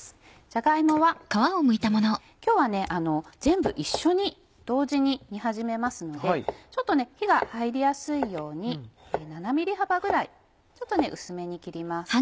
じゃが芋は今日は全部一緒に同時に煮始めますのでちょっと火が入りやすいように７ｍｍ幅ぐらいちょっと薄めに切ります。